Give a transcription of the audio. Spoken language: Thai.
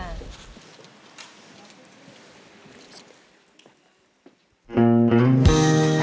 ขอชุบดีค่ะ